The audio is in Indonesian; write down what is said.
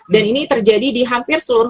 ini terjadi di hampir seluruh